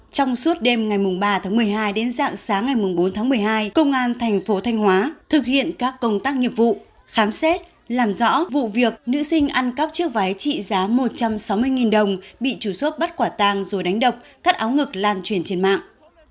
trong suốt đêm ngày ba tháng một mươi hai đến dạng sáng ngày bốn tháng một mươi hai công an thành phố thanh hóa thực hiện các công tác nghiệp vụ khám xét làm rõ vụ việc nữ sinh ăn cắp chiếc váy trị giá một trăm sáu mươi đồng bị chủ chốt bắt quả tàng rồi đánh đập cắt áo ngực lan truyền trên mạng